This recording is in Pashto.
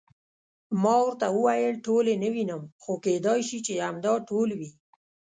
ما ورته وویل: ټول یې نه وینم، خو کېدای شي چې همدا ټول وي.